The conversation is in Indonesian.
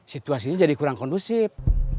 situasinya jadi kurang kondusif